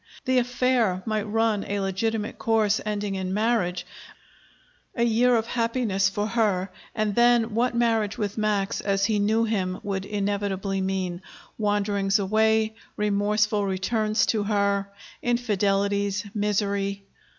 The affair might run a legitimate course, ending in marriage a year of happiness for her, and then what marriage with Max, as he knew him, would inevitably mean: wanderings away, remorseful returns to her, infidelities, misery.